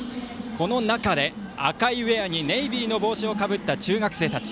この中で、赤いウエアにネイビーの帽子をかぶった中学生たち。